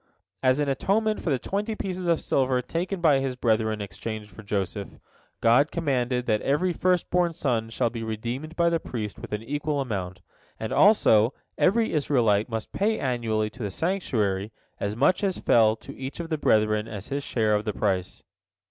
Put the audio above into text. As an atonement for the twenty pieces of silver taken by his brethren in exchange for Joseph, God commanded that every first born son shall be redeemed by the priest with an equal amount, and, also, every Israelite must pay annually to the sanctuary as much as fell to each of the brethren as his share of the price.